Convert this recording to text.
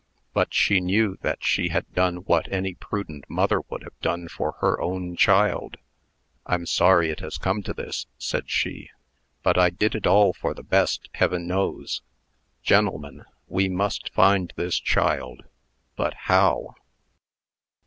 But she knew that she had done what any prudent mother would have done for her own child. "I'm sorry it has come to this," said she; "but I did it all for the best, Heaven knows. Gen'lemen, we must find this child. But how?"